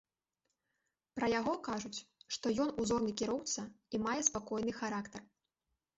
Пра яго кажуць, што ён узорны кіроўца і мае спакойны характар.